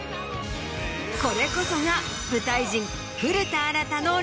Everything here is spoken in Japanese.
これこそが。